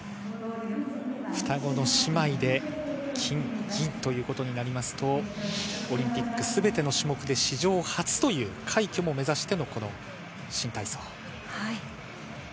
双子の姉妹で金、銀ということになると、オリンピック全ての種目で史上初という快挙も目指しての新体操。